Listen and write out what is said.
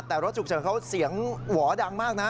แต่รถฉุกเฉินเขาเสียงหวอดังมากนะ